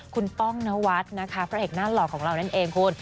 คุณป้องนวัดนะคะพระเอกหน้าหล่อของเรานั่นเองคุณ